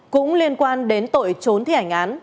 cũng liên quan đến tội trốn thi hành án